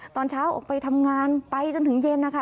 ตอนเช้าออกไปทำงานไปจนถึงเย็นนะคะ